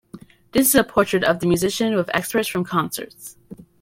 This is a portrait of the musician with excerpts from concerts.